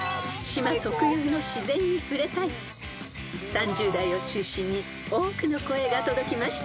［３０代を中心に多くの声が届きました］